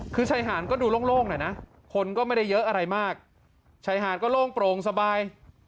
คือชายหาดก็ดูโล่งหน่อยนะคนก็ไม่ได้เยอะอะไรมากชายหาดก็โล่งโปร่งสบาย